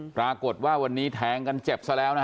ปรากฏว่าวันนี้แทงกันเจ็บซะแล้วนะ